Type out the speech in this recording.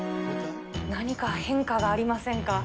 何か変化がありませんか？